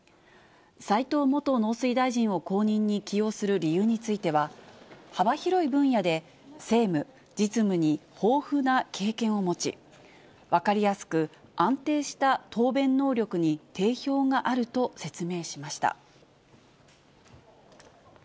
斎藤元農水大臣を後任に起用する理由については、幅広い分野で政務、分かりやすく安定した答弁能力に定評があると説明しました。